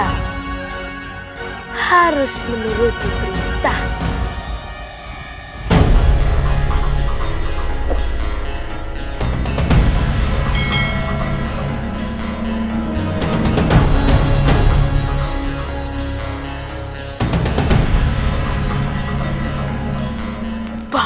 dan anda harus meneruti perintah saya